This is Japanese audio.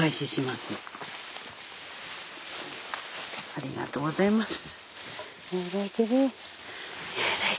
ありがとうございます。